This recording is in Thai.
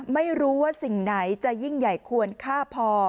ไม่รู้ว่าสิ่งไหนจะยิ่งใหญ่ควรฆ่าพอ